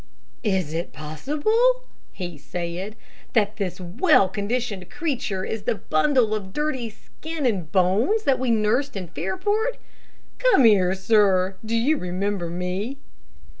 "Is it possible," he said, "that this well conditioned creature is the bundle of dirty skin and bones that we nursed in Fairport? Come here, sir. Do you remember me?"